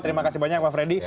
terima kasih banyak pak freddy